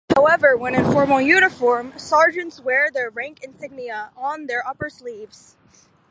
However, when in formal uniform sergeants wear their rank insignia on their upper sleeves.